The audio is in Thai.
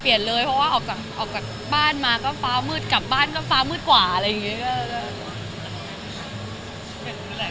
เลยเพราะว่าออกจากบ้านมาก็ฟ้ามืดกลับบ้านก็ฟ้ามืดกว่าอะไรอย่างนี้